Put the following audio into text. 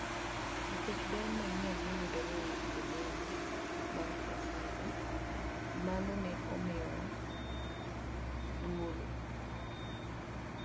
Nikech ber mang'eny mayudore ei olemo mar cassava, mano ne omiyowa thuolo